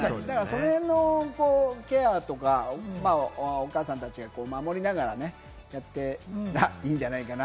その辺のケアとか、お母さんたちが守りながらね、やったらいいんじゃないかな。